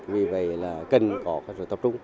vì vậy là cần có cơ sở tập trung